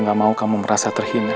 anda lagi nangis berlaku ini